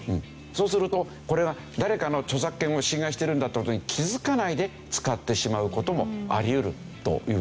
そうするとこれは誰かの著作権を侵害してるんだって事に気づかないで使ってしまう事もあり得るというわけですよね。